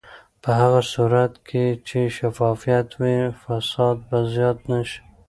په هغه صورت کې چې شفافیت وي، فساد به زیات نه شي.